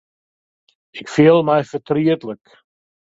Ik fiel my fertrietlik.